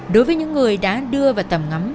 đối với những người đã đưa vào tầm ngắm